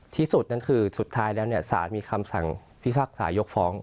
ที่สุดนั่นคือสุดท้ายแล้วเนี่ยสารมีคำสั่งพิพากษายกฟ้อง